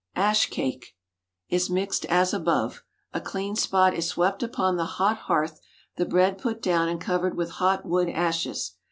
ASH CAKE is mixed as above. A clean spot is swept upon the hot hearth, the bread put down and covered with hot wood ashes.